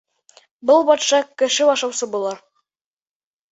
Был батша кеше ашаусы була.